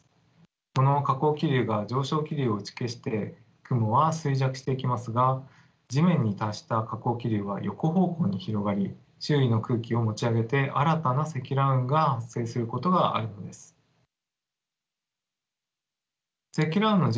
その下降気流が上昇気流を打ち消して雲は衰弱していきますが地面に達した下降気流は横方向に広がり周囲の空気を持ち上げて新たな積乱雲が発生することがあるのです。